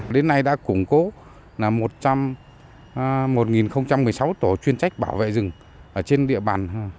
đến nay đã củng cố một một mươi sáu tổ chuyên trách bảo vệ rừng trên địa bàn